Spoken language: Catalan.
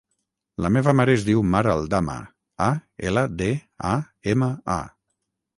La meva mare es diu Mar Aldama: a, ela, de, a, ema, a.